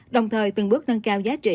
đồng thời từng bước nâng cao giá trị